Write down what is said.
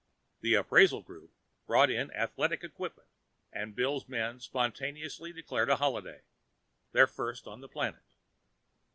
The appraisal group brought in athletic equipment and Bill's men spontaneously declared a holiday, their first on the planet.